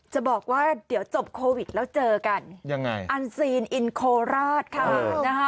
จะบอกว่าเดี๋ยวจบโควิดแล้วเจอกันยังไงอันซีนอินโคราชค่ะนะฮะ